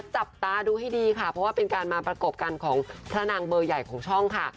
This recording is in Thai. จับตาดูให้ดีค่ะเพราะว่าเป็นการมาประกบกันของพระนางเบอร์ใหญ่ของช่องค่ะ